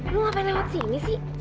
lu ngapain lewat sini sih